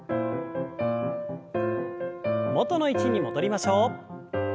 元の位置に戻りましょう。